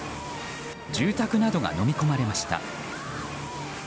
住宅などがのみ込まれました。